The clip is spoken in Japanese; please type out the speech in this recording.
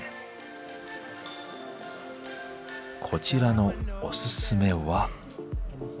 こちらのおすすめは。